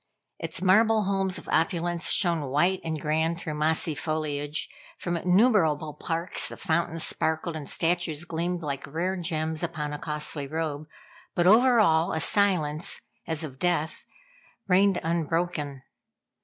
Its marble homes of opulence shone white and grand through mossy foliage; from innumerable parks the fountains sparkled and statues gleamed like rare gems upon a costly robe; but over all a silence, as of death, reigned unbroken.